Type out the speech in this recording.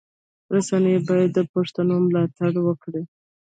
رسنی باید د پښتو ملاتړ وکړي.